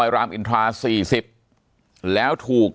ปากกับภาคภูมิ